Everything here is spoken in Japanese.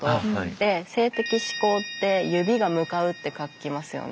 で「性的指向」って「指」が「向かう」って書きますよね。